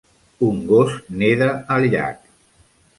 Un gos neda al llac.